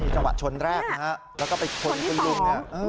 จังหวะชนแรกนะครับแล้วก็ไปชนขึ้นขึ้น